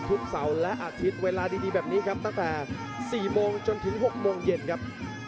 เสาร์และอาทิตย์เวลาดีแบบนี้ครับตั้งแต่๔โมงจนถึง๖โมงเย็นครับ